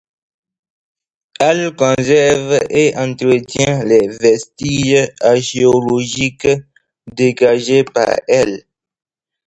Elle conserve et entretient les vestiges archéologiques dégagés par elle.